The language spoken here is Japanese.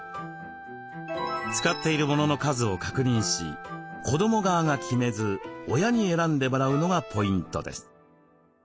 使っている物の数を確認し子ども側が決めず親に選んでもらうのがポイントです。